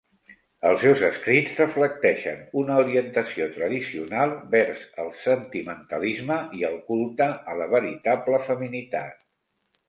Els seus escrits reflecteixen una orientació tradicional vers el sentimentalisme i el culte a la veritable feminitat.